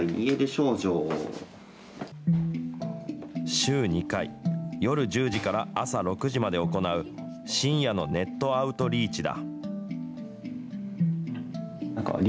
週２回、夜１０時から朝６時まで行う深夜のネットアウトリーチだ。